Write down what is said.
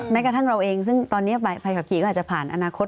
แม้กระทั่งเราเองซึ่งตอนนี้ใบขับขี่ก็อาจจะผ่านอนาคต